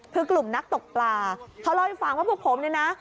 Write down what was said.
คือกลุ่มนักตกปลาเขาเล่าให้ฟังว่าพวกผมเนี่ยนะ